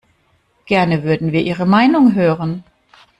Gerne würden wir Ihre Meinung hören.